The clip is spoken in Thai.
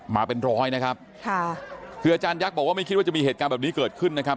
มาเป็นร้อยนะครับค่ะคืออาจารยักษ์บอกว่าไม่คิดว่าจะมีเหตุการณ์แบบนี้เกิดขึ้นนะครับ